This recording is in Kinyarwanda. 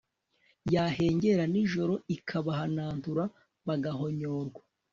yahengera nijoro ikabahanantura bagahonyorwa